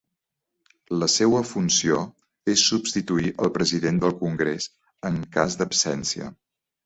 La seua funció és substituir al president del congrés en cas d'absència.